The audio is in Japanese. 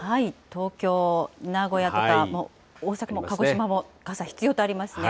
東京、名古屋とか大阪も鹿児島も、傘必要とありますね。